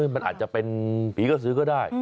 มันอาจจะเป็นผีกระสือก็ได้